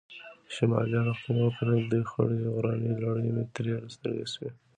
شمالي اړخ ته مې وکتل، دوې خړې غرنۍ لړۍ مې تر سترګو شوې.